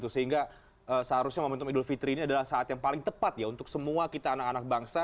sehingga seharusnya momentum idul fitri ini adalah saat yang paling tepat ya untuk semua kita anak anak bangsa